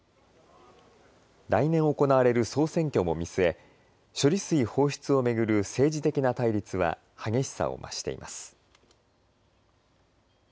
来年行われる総選挙も見据え処理水放出を巡る政治的な対立は激しさを増しています。